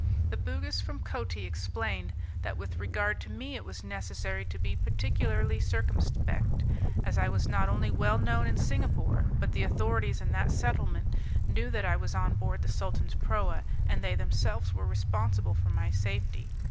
The Bugis from Coti explained, that with regard to me it was necessary to be particularly circumspect, as I was not only well known at Singapore, but the authorities in that settlement knew that I was on board the Sultan's proa, and they themselves were responsible for my safety.